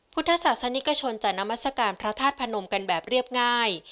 พุทธศาสนิกชนจะนามัศกาลพระธาตุพนมกันแบบเรียบง่าย